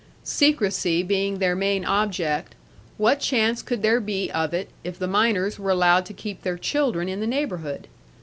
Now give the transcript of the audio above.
Secrecy being their main object, what chance could there be of it, if the miners were allowed to keep their children in the neighbourhood?